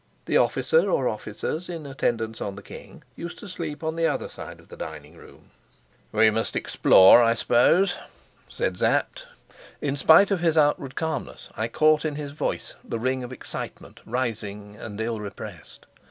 The officer or officers in attendance on the king used to sleep on the other side of the dining room. "We must explore, I suppose," said Sapt. In spite of his outward calmness, I caught in his voice the ring of excitement rising and ill repressed.